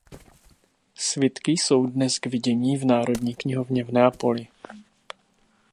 Svitky jsou dnes k vidění v Národní knihovně v Neapoli.